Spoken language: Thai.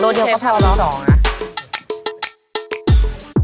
รถเดียวก็เท่าที่สองอ่ะ